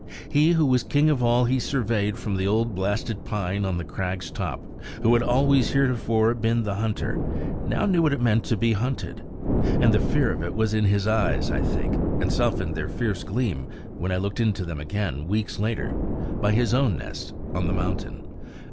He who was king of all he surveyed from the old blasted pine on the crag's top, who had always heretofore been the hunter, now knew what it meant to be hunted. And the fear of it was in his eyes, I think, and softened their fierce gleam when I looked into them again, weeks later, by his own nest on the mountain.